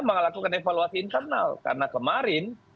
melakukan evaluasi internal karena kemarin